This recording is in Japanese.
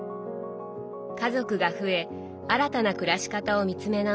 家族が増え新たな暮らし方を見つめ直す